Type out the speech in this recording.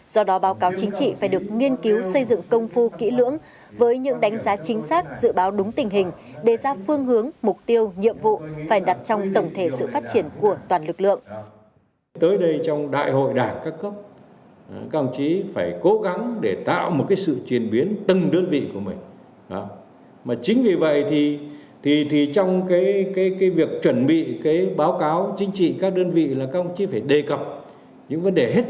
do đó báo cáo chính trị phải được nghiên cứu xây dựng công phu kỹ lưỡng với những đánh giá chính xác dự báo đúng tình hình đề ra phương hướng mục tiêu nhiệm vụ phải đặt trong tổng thể sự phát triển của toàn lực lượng